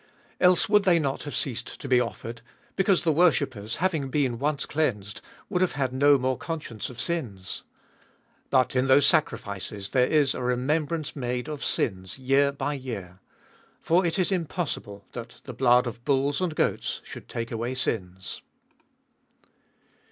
2. Else would they not have ceased to be offered, because the worship pers, having been once cleansed, would have had no more conscience of sins ? 3. But in those sacrifices there is a remembrance made of sins year by year. 4. For it is impossible that the blood of bulls and goats should take away sins.